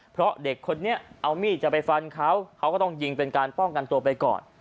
เพราะเด็กคนนี้เอามีดจะไปฟันเขาเขาก็ต้องยิงเป็นการป้องกันตัวไปก่อน